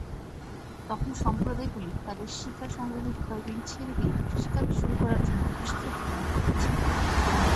তখন সম্প্রদায়গুলি তাদের শিকার-সংগ্রহের উপায়গুলি ছেড়ে দিয়ে কৃষিকাজ শুরু করার জন্য কৃষিক্ষেত্র গ্রহণ করেছে।